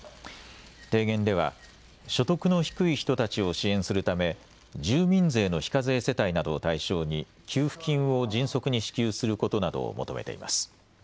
提言では所得の低い人たちを支援するため住民税の非課税世帯などを対象に給付金を迅速に支給することなどを求めています。